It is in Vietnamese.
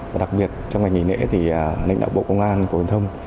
và đặc biệt trong ngày nghỉ nễ thì lãnh đạo bộ công an của giao thông